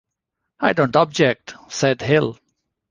"I don't object," said Hill.